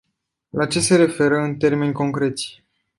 La ce se referă, în termeni concreți?